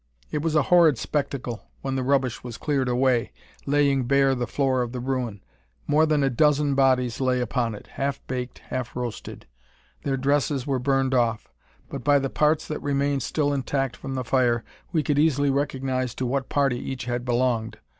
It was a horrid spectacle when the rubbish was cleared away, laying bare the floor of the ruin. More than a dozen bodies lay upon it, half baked, half roasted! Their dresses were burned off; but by the parts that remained still intact from the fire, we could easily recognise to what party each had belonged.